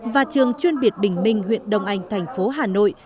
và trường chuyên biệt bình minh huyện đông anh thành phố hà nội